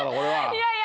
いやいや。